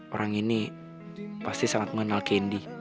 orang ini pasti sangat mengenal kendi